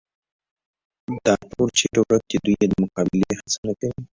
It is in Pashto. دا ټول چېرې ورک دي، دوی یې د مقابلې هڅه نه کوي.